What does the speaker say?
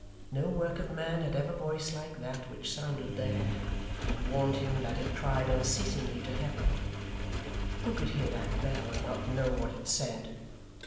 No work of man had ever voice like that which sounded there, and warned him that it cried unceasingly to Heaven. Who could hear that bell, and not know what it said!